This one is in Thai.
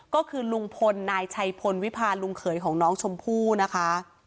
ก็คือลุงพลนายชัยพลวิพาลุงเขยของน้องชมพู่นะคะ